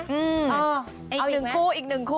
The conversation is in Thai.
เอาอีกหนึ่งคู่อีกหนึ่งคู่